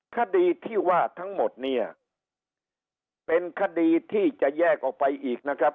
คดีที่ว่าทั้งหมดเนี่ยเป็นคดีที่จะแยกออกไปอีกนะครับ